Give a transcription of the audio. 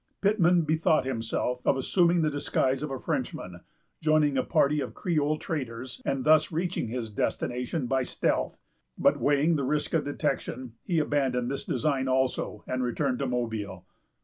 Pittman bethought himself of assuming the disguise of a Frenchman, joining a party of Creole traders, and thus reaching his destination by stealth; but, weighing the risk of detection, he abandoned this design also, and returned to Mobile.